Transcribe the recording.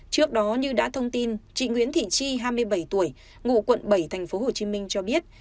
trước đó như đã thông tin chị nguyễn thị chi hai mươi bảy tuổi ngụ quận bảy tp hcm cho biết